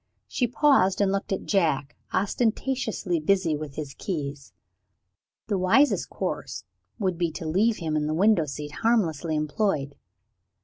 She paused, and looked at Jack, ostentatiously busy with his keys. The wisest course would be to leave him in the window seat, harmlessly employed.